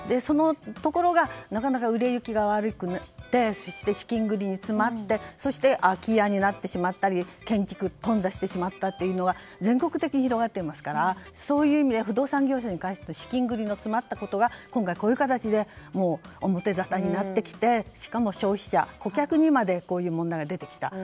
ところが、なかなか売れ行きが悪くなって、資金繰りに詰まってそして空き家になってしまったり建築がとん挫してしまったというのが全国的に広がっていますからそういう意味で不動産業者に対して資金繰りが詰まったことがこういう形で表ざたになってきてしかも消費者、顧客にまでこういう問題が出てきた。